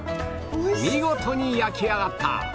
見事に焼き上がった！